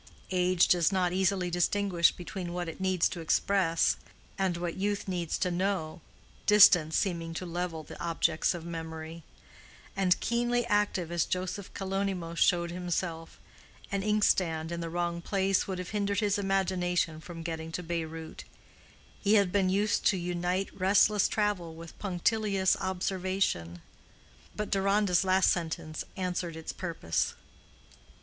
Age does not easily distinguish between what it needs to express and what youth needs to know—distance seeming to level the objects of memory; and keenly active as Joseph Kalonymos showed himself, an inkstand in the wrong place would have hindered his imagination from getting to Beyrout: he had been used to unite restless travel with punctilious observation. But Deronda's last sentence answered its purpose.